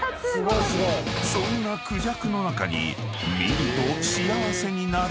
［そんなクジャクの中に］